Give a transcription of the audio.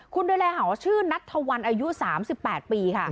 คุณดูแลหอชื่อนัฐวันอายุ๓๘ปี